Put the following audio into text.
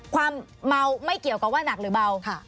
ความเมาไม่เกี่ยวกับว่าหนักหรือเบา